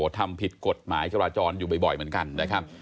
ทำผิดกฎหมายจราจรอยู่บ่อยเหมือนกันนะครับ